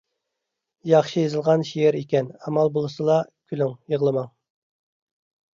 ياخشى يېزىلغان شېئىر ئىكەن. ئامال بولسىلا كۈلۈڭ، يىغلىماڭ!